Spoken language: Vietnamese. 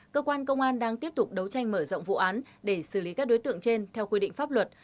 cơ quan công an đang tiếp tục đấu tranh mở rộng vụ án để xử lý các đối tượng trên theo quy định pháp luật